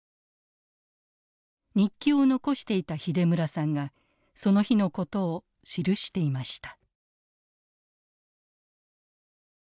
日記を残していた秀村さんがその日のことを記していました。